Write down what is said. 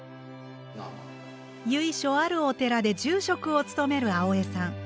由緒あるお寺で住職を務める青江さん